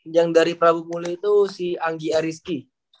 yang dari prabu muli itu si anggi ariski